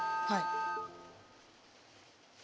はい。